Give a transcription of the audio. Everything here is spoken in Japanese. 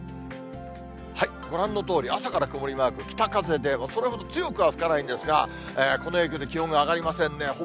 ご覧のとおり、朝から曇りマーク、北風で、それほど強くは吹かないんですが、この影響で気温が上がりませんね。